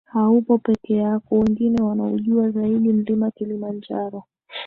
Haupo pekee yako Wengi wanaujua zaidi Mlima Kilimanjaro